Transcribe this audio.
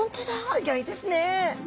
すギョいですね。